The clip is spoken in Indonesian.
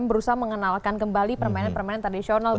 berusaha mengenalkan kembali permainan permainan tradisional